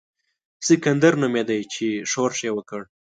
سکندر نومېدی چې ښورښ یې کړ.